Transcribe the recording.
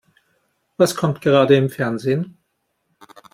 Was kommt gerade im Fernsehen?